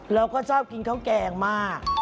เราก็ชอบกินข้าวแกงมาก